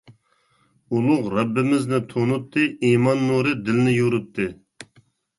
ئۇلۇغ رەببىمىزنى تونۇتتى، ئىمان نۇرى دىلنى يورۇتتى.